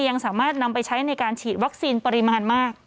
ยังสามารถนำไปใช้ในการฉีดวัคซีนปริมาณมาก